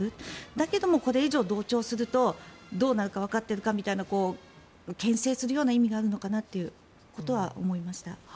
だけども、これ以上同調するとどうなるかわかってるかみたいなけん制するような意味があるのかなということは思いました。